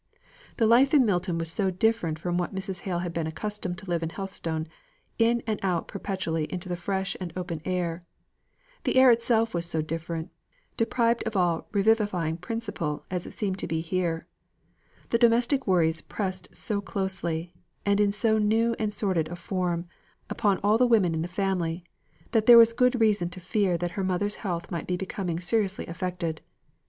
The life in Milton was so different from what Mrs. Hale had been accustomed to live in Helstone, in and out perpetually into the fresh and open air; the air itself was so different, deprived of all revivifying principle as it seemed to be here; the domestic worries pressed so very closely, and in so new and sordid a form, upon all the women in the family, that there was good reason to fear that her mother's health might be becoming seriously affected.